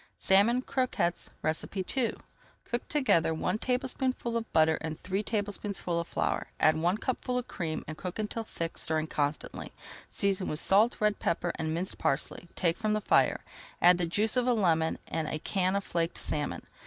SALMON CROQUETTES II Cook together one tablespoonful of butter and three tablespoonfuls of flour. Add one cupful of cream, and cook until thick, stirring constantly. Season with salt, red pepper, and minced parsley, take from the fire, add the juice of a lemon and a can of flaked salmon.